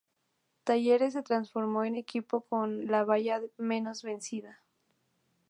Talleres se transformó en el equipo con la valla menos vencida.